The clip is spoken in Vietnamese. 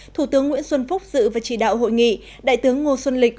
thủ tướng nguyễn xuân phúc dự và chỉ đạo hội nghị đại tướng ngô xuân lịch